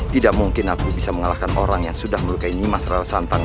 tidak mungkin aku bisa mengalahkan orang yang sudah melukai nimas rall santang